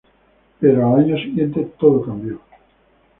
Pero al año siguiente todo cambió.